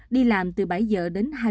đi làm từ bảy giờ đến